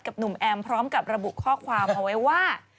หนุ่มแอมพร้อมกับระบุข้อความเอาไว้ว่า